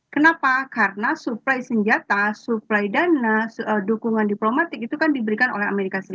kenapa karena suplai senjata supply dana dukungan diplomatik itu kan diberikan oleh amerika serikat